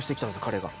彼が。